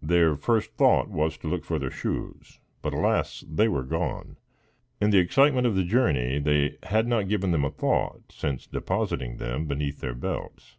Their first thought was to look for their shoes, but, alas, they were gone. In the excitement of the journey, they had not given them a thought since depositing them beneath their belts.